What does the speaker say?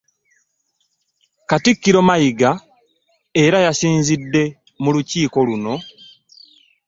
Katikkiro Mayiga era yasinzidde mu Lukiiko luno